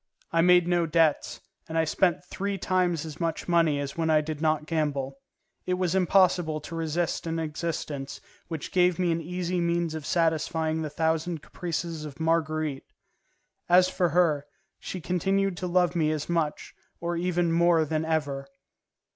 I made no debts, and I spent three times as much money as when I did not gamble. It was impossible to resist an existence which gave me an easy means of satisfying the thousand caprices of Marguerite. As for her, she continued to love me as much, or even more than ever.